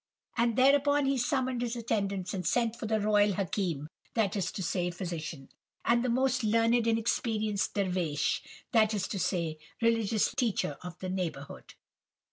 "And thereupon he summoned his attendants, and sent for the royal Hakim, that is to say, physician; and the most learned and experienced Dervish, that is to say, religious teacher of the neighbourhood.